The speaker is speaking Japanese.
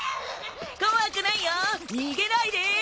怖くないよ逃げないで！